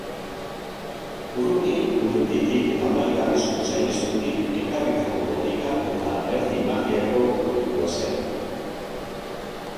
Urruti-urrutitik eta hamaika arrisku saihesturik ekarritako botika eta "erdi magiako" produktua zen